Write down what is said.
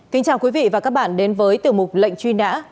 kính chào quý vị và các bạn đến với tiểu mục lệnh truy nã